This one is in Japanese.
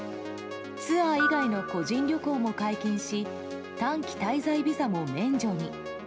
ツアー以外の個人旅行も解禁し短期滞在ビザも免除に。